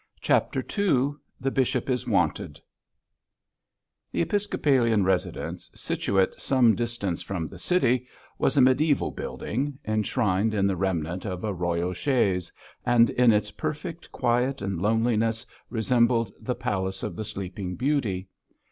CHAPTER II THE BISHOP IS WANTED The episcopalian residence, situate some distance from the city, was a mediæval building, enshrined in the remnant of a royal chase, and in its perfect quiet and loneliness resembled the palace of the Sleeping Beauty.